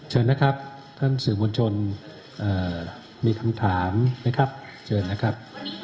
เชิญนะครับท่านสื่อมวลชนมีคำถามไหมครับเชิญนะครับ